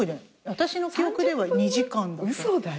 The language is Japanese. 私の記憶では２時間だった。